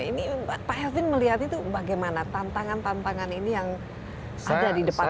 ini pak elvin melihat itu bagaimana tantangan tantangan ini yang ada di depan ini